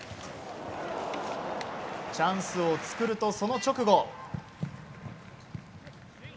チャンスを作ると、その直後。